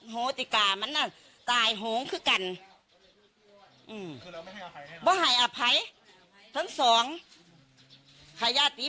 โหติก่ามันอ่ะตายหงค์คือกันอืมไม่ให้อภัยทั้งสองไข่ญาติ